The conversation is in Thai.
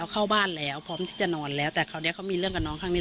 เข้าบ้านแล้วพร้อมที่จะนอนแล้วแต่คราวนี้เขามีเรื่องกับน้องข้างนี้